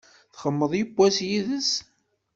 Txedmeḍ yewwas yid-s?